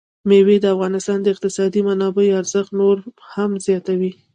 مېوې د افغانستان د اقتصادي منابعو ارزښت نور هم زیاتوي.